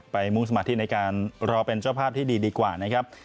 มุ่งสมาธิในการรอเป็นเจ้าภาพที่ดีดีกว่านะครับ